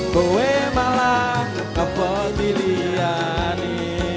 kowe malam nampo di liani